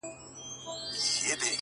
• مُلا سړی سو په خپل وعظ کي نجلۍ ته ويل؛